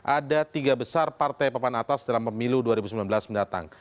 ada tiga besar partai pepan atas dalam pemilu dua ribu sembilan belas mendatang